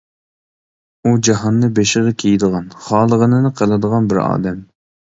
ئۇ جاھاننى بېشىغا كىيىدىغان، خالىغىنىنى قىلىدىغان بىر ئادەم.